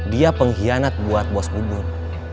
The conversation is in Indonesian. dia pengkhianat buat bos bubur